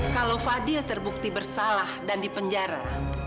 kalau fadil terbukti bersalah dan di penjara